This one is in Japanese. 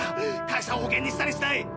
会社を保険にしたりしない。